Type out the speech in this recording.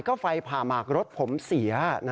ก็ไฟผ่าหมากรถผมเสีย